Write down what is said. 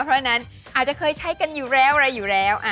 เพราะฉะนั้นอาจจะเคยใช้กันอยู่แล้วอะไรอยู่แล้ว